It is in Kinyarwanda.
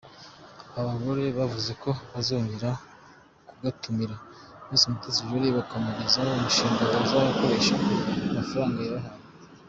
Aba bagore bavuze ko bazongera bagatumira Miss Mutesi Jolly bakamugezaho umushinga bazakoresha amafaranga yabahaye.